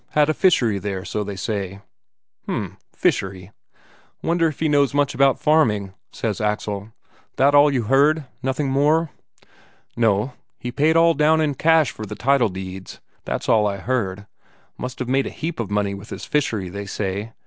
Had a fishery there, so they say." "H'm fishery. Wonder if he knows much about farming?" says Axel. "That all you heard? Nothing more?" "No. He paid all down in cash for the title deeds. That's all I heard. Must have made a heap of money with his fishery, they say.